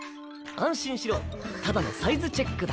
安心しろただのサイズチェックだ。